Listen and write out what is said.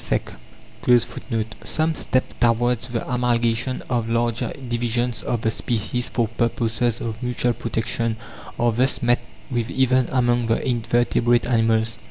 (10) Some steps towards the amalgamation of larger divisions of the species for purposes of mutual protection are thus met with even among the invertebrate animals.